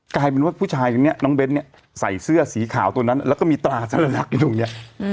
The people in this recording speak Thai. กลายเป็นว่าผู้ชายคนนี้น้องเบ้นเนี่ยใส่เสื้อสีขาวตัวนั้นแล้วก็มีตราสัญลักษณ์อยู่ตรงนี้